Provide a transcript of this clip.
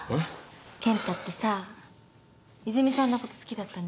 健太ってさ泉さんのこと好きだったんでしょ？